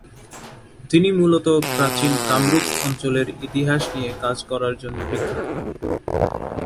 তিনি মূলত প্রাচীন কামরূপ অঞ্চলের ইতিহাস নিয়ে কাজ করার জন্য বিখ্যাত।